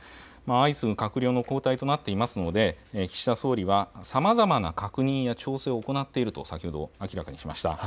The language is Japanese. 相次ぐ閣僚の交代となっていますので、岸田総理はさまざまな確認や調整を行っていると先ほど明らかにしました。